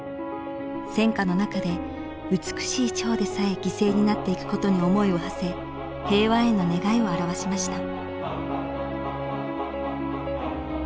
戦火の中で美しい蝶でさえ犠牲になっていくことに思いをはせ平和への願いを表しました。